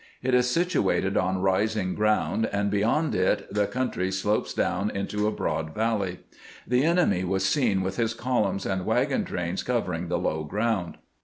It is situated on rising ground, and beyond it the country slopes down into a broad valley. The enemy was seen with his columns and wagon trains covering the low ground.